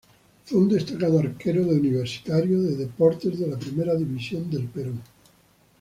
Fue un destacado arquero de Universitario de Deportes de la Primera División del Perú.